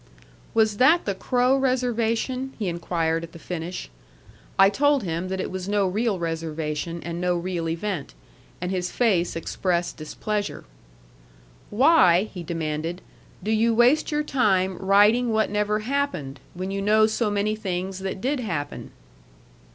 "Was that the Crow reservation?" he inquired at the finish. I told him that it was no real reservation and no real event; and his face expressed displeasure. "Why," he demanded, "do you waste your time writing what never happened, when you know so many things that did happen?"